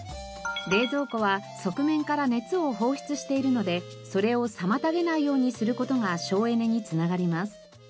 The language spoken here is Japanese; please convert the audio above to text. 冷蔵庫は側面から熱を放出しているのでそれを妨げないようにする事が省エネに繋がります。